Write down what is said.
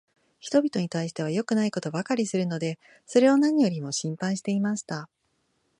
人びとに対しては良くないことばかりするので、それを何よりも心配していました。